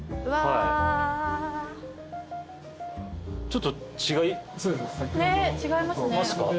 ちょっと違いますか？